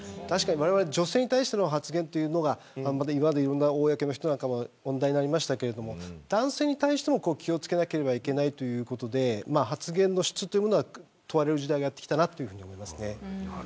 確かに、われわれ女性に対しての発言というのが今までいろんな公の人なんかも問題になりましたけれども男性に対しても気を付けなければいけないということで発言の質というものが問われる時代がやってきたなというふうに思いますね。